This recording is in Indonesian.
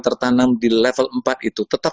tertanam di level empat itu tetap